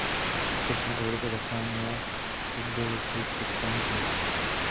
V srpnu Evropa zachránila Tbilisi před tanky.